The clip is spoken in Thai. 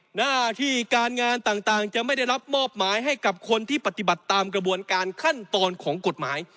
หน้าที่การงานต่างจะไม่ได้รับมอบหมายให้กับคนที่ปฏิบัติตามกระบวนการขั้นตอนของกฎหมาย